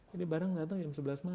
barang datang jam sebelas malam